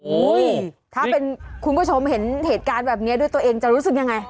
ถ้าเป็นคุณผู้ชมเห็นเหตุการณ์แบบนี้ด้วยตัวเองจะรู้สึกยังไง